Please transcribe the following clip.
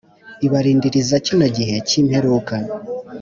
Ibarindiriza kino gihe cyi imperuka